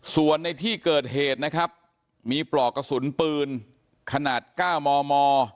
ส่วนในที่เกิดเหตุนะครับมีปลอกกระสุนปืนขนาด๙มม